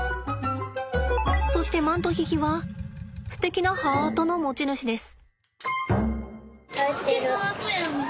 そしてマントヒヒはすてきなハートの持ち主です。